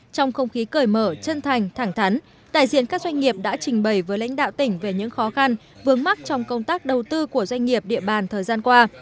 trong không khí cởi mở chân thành thẳng thắn đại diện các doanh nghiệp đã trình bày với lãnh đạo tỉnh về những khó khăn vướng mắt trong công tác đầu tư của doanh nghiệp địa bàn thời gian qua